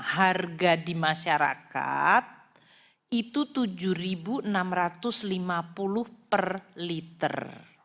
harga di masyarakat itu rp tujuh enam ratus lima puluh per liter